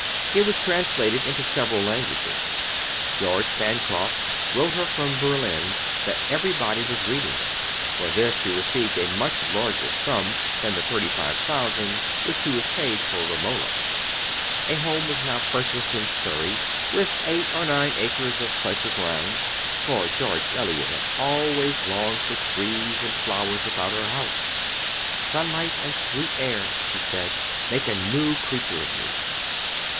It was translated into several languages. George Bancroft wrote her from Berlin that everybody was reading it. For this she received a much larger sum than the thirty five thousand which she was paid for Romola. A home was now purchased in Surrey, with eight or nine acres of pleasure grounds, for George Eliot had always longed for trees and flowers about her house. "Sunlight and sweet air," she said, "make a new creature of me."